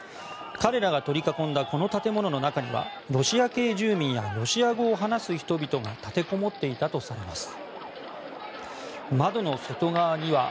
彼らが取り囲んだこの建物の中にはロシア系住民やロシア語を話す人々が立てこもっていたとされます。